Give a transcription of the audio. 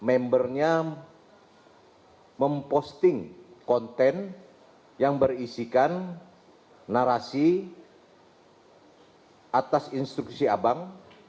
dan membernya memposting konten yang berisikan narasi atas instruksi abang